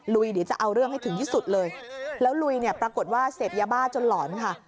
ลุยเดี๋ยวจะเอาเรื่องให้ถึงที่สุดเลยแล้วลุยเนี่ยปรากฏว่าเสพยาบ้าจนหลอนค่ะ